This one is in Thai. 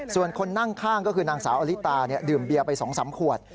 ส่วนคนนั่งข้างก็คือนางสาวอลิตาดื่มเบียร์ไป๒๓ขวด